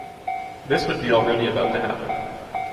This would be already about to happen.